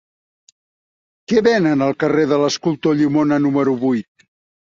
Què venen al carrer de l'Escultor Llimona número vuit?